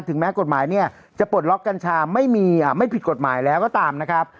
แม้กฎหมายเนี่ยจะปลดล็อกกัญชาไม่มีไม่ผิดกฎหมายแล้วก็ตามนะครับ